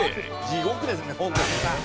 「地獄ですね本当」